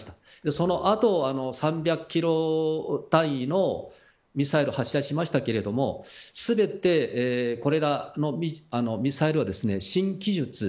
その後３００キロ単位のミサイル発射しましたけれども全て、これらのミサイルは新技術。